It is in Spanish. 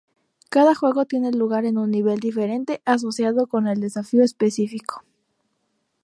Cada juego tiene lugar en un nivel diferente asociado con el desafío específico.